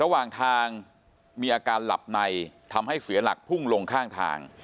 ระหว่างทางมีอาการหลับในทำให้เสียหลักพุ่งลงข้างทาง